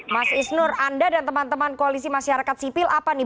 mas isnur anda dan teman teman koalisi masyarakat sipil apa nih